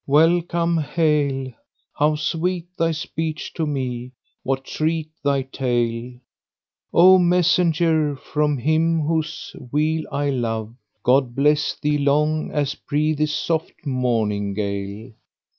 Welcome! Hail! * How sweet thy speech to me, what treat thy tale: O messenger from him whose weal I love, * God bless thee long as breathes soft morning gale!"